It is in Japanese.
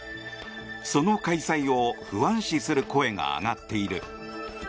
その開催を不安視する声が上がっている。